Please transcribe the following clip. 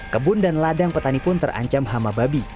kebun dan ladang petani pun terancam hama babi